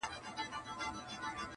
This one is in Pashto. یو بوډا مي وو لیدلی٫